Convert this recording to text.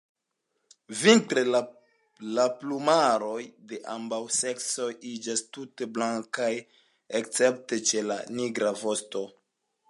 Vintre la plumaroj de ambaŭ seksoj iĝas tute blankaj, escepte ĉe la nigra vosto.